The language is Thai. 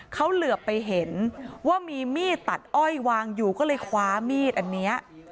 เขาเหลือไปเห็นว่ามีมีดตัดอ้อยวางอยู่ก็เลยคว้ามีดอันนี้